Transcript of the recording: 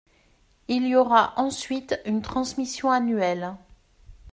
Il y aura ensuite une transmission annuelle.